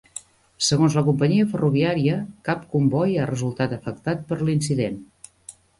Segons la companyia ferroviària, cap comboi ha resultat afectat per l'incident.